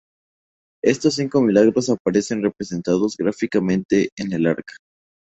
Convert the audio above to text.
Estos cinco milagros aparecen representados gráficamente en el arca.